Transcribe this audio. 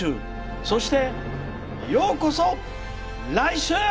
そして、ようこそ来週。